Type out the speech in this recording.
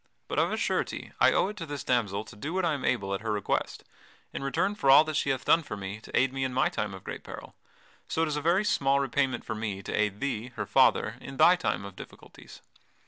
But of a surety I owe it to this damsel to do what I am able at her request, in return for all that she hath done for me to aid me in my time of great peril. So it is a very small repayment for me to aid thee, her father, in thy time of difficulties.